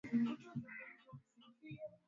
Hata hivyo makanisa kadhaa yalichomwa moto